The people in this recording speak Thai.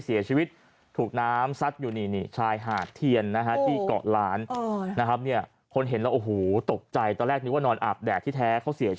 เสียชีวิตถูกน้ำซัดอยู่นี่นี่ชายหาดเทียนนะฮะที่